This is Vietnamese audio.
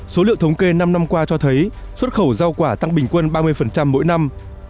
số liệu thống kê năm năm qua cho thấy xuất khẩu rau quả tăng bình quân ba mươi mỗi năm